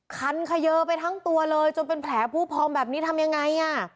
คันเขยอไปทั้งตัวเลยจนเป็นแผลผู้พองแบบนี้ทำยังไงอ่ะ